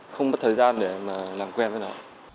không bắt thời gian để làm quen với nó